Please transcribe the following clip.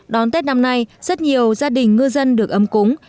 đón tết năm nay rất nhiều gia đình ngư dân được ấm cúng